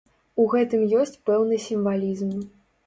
У гэтым ёсць пэўны сімвалізм.